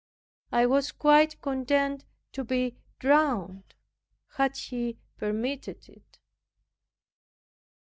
I was quite content to be drowned, had He permitted it.